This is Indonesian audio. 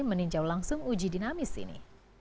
meninjau langsung uji dinamis ini